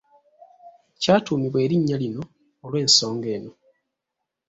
Kyatuumibwa erinnya lino olw’ensonga eno.